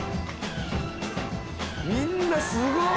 ・みんなすごっ！